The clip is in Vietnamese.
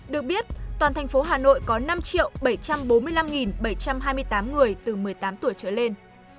được biết toàn thành phố hà nội có năm bảy trăm bốn mươi năm bảy trăm hai mươi tám người từ một mươi tám tuổi trở lên